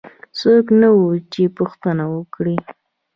څوک نه وو چې پوښتنه وکړي.